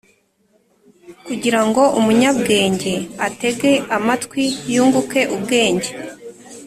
Kugira ngo umunyabwenge atege amatwi yunguke ubwenge